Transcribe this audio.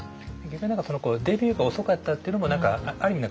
逆に何かデビューが遅かったっていうのもある意味